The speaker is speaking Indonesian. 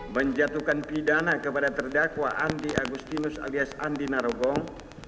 menjatuhkan pidana kepada terdakwa andi agustinus alias andi narogong